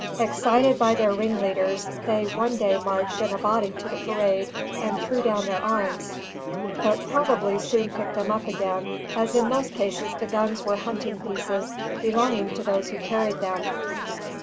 Excited by their ringleaders, they one day marched in a body to the parade and threw down their arms; but probably soon picked them up again, as in most cases the guns were hunting pieces belonging to those who carried them.